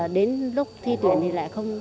đến lúc thi tuyển thì lại không